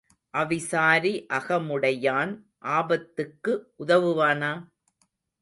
அவிசாரி அகமுடையான் ஆபத்துக்கு உதவுவானா?